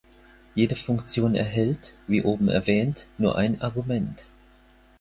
Jede Funktion erhält, wie oben erwähnt, nur ein Argument.